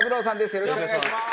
よろしくお願いします。